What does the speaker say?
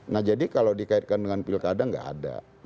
nah jadi kalau dikaitkan dengan pilkada nggak ada